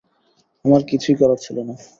আমার কিছুই করার ছিল না।